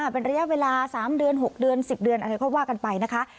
เป็นระยะเวลา๓เดือน๖เดือน๑๐เดือนอะไรก็ว่ากันไปนะคะ